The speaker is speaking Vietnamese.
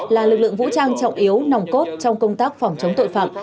là lực lượng vũ trang trọng yếu nòng cốt trong công tác phòng chống tội phạm